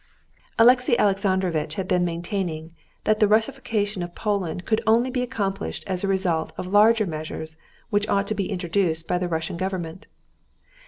Alexey Alexandrovitch had been maintaining that the Russification of Poland could only be accomplished as a result of larger measures which ought to be introduced by the Russian government.